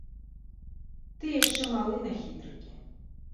Ты яшчэ малы на хітрыкі!